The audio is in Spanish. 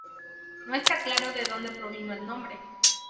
No está claro de dónde provino el nombre.